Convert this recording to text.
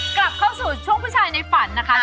กลับเข้าสู่ช่วงผู้ชายในฝันนะคะ